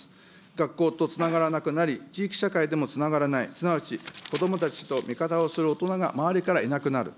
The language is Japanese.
学校とつながらなくなり、地域社会でもつながらない、すなわち子どもたちと味方をする大人が周りからいなくなる。